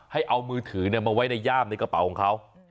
ให้เอามือถือมาไว้ในย่ามในกระเป๋าของเขา